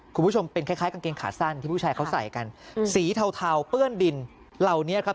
คุณผู้ชมเป็นคล้ายกางเกงขาสั้นที่ผู้ชายเขาใส่กันสีเทาเปื้อนดินเหล่านี้ครับ